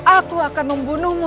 aku akan membunuhmu